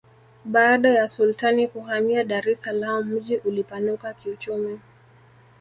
baada ya sultani kuhamia dar es salaam mji ulipanuka kiuchumi